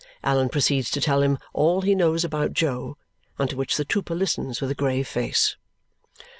Allan proceeds to tell him all he knows about Jo, unto which the trooper listens with a grave face.